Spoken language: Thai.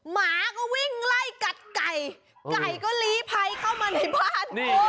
หมาก็วิ่งไล่กัดไก่ไก่ก็ลีภัยเข้ามาในบ้าน